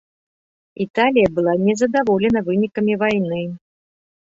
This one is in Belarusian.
Італія была не здаволена вынікамі вайны.